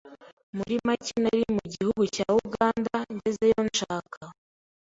Muri make nari mu gihugu cya Uganda ngezeyo nshaka